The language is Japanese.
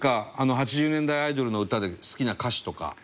８０年代アイドルの歌で好きな歌手とか。